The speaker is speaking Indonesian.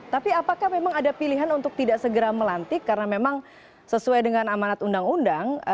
tapi apakah memang ada pilihan untuk tidak segera melantik karena memang sesuai dengan amanat undang undang